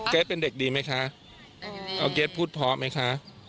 เกษเป็นเด็กดีไหมคะเอาเกษพูดพอไหมคะ